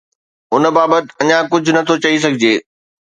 ان بابت اڃا ڪجهه نٿو چئي سگهجي.